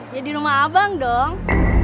jadi rumah abang dong